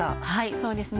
そうですね